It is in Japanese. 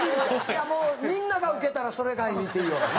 いやもうみんながウケたらそれがいいというようなね。